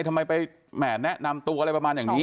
ทำไมไปแหม่แนะนำตัวอะไรประมาณอย่างนี้